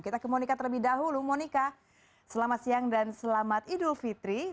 kita ke monika terlebih dahulu monika selamat siang dan selamat idul fitri